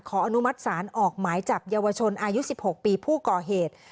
อนุมัติศาลออกหมายจับเยาวชนอายุ๑๖ปีผู้ก่อเหตุ